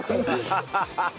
ハハハハ！